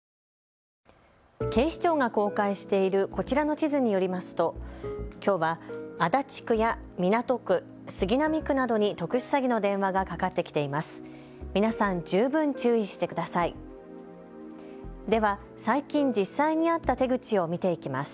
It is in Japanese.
警視庁が公開しているこちらの地図によりますときょうは足立区や港区、杉並区などに特殊詐欺の電話がかかってきています。